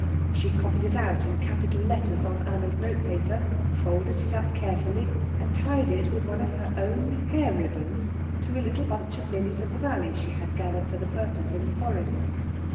She copied it out in capital letters on Anna's notepaper, folded it up carefully, and tied it with one of her own hair ribbons to a little bunch of lilies of the valley she had gathered for the purpose in the forest.